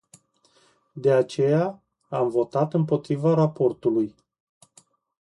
De aceea, am votat împotriva raportului.